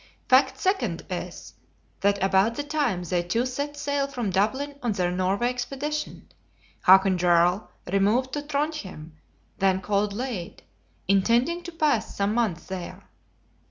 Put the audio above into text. Fact second is, that about the time they two set sail from Dublin on their Norway expedition, Hakon Jarl removed to Trondhjem, then called Lade; intending to pass some months there.